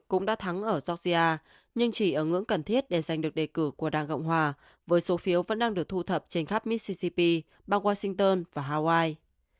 cũng đã thắng ở georgia nhưng chỉ ở ngưỡng cần thiết để giành được đề cử của đảng cộng hòa với số phiếu vẫn đang được thu thập trên khắp mitsicp bang washington và hawaii